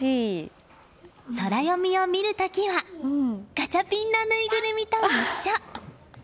ソラよみを見る時はガチャピンのぬいぐるみと一緒！